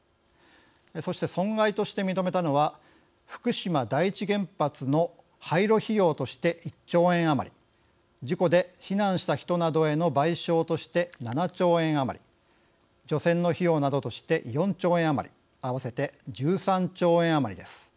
そして損害として認めたのは福島第一原発の廃炉費用として１兆円余り事故で避難した人などへの賠償として７兆円余り除染の費用などとして４兆円余り合わせて１３兆円余りです。